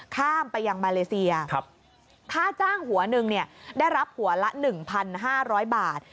ข้ามไปยังมาเลเซียค่าจ้างหัวหนึ่งได้รับหัวละ๑๕๐๐บาท